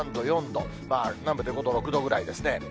２度、３度、４度、南部で５度、６度ぐらいですね。